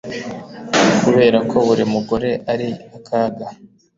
Kubera ko buri mugore ari akaga